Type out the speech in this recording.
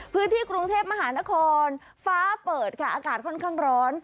พื้นที่กรุงเทพมหานครฟ้าเปิดค่ะอากาศค่อนข้างร้อน